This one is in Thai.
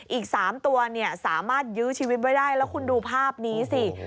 อีก๓ตัวเนี่ยสามารถยื้อชีวิตไว้ได้แล้วคุณดูภาพนี้สิ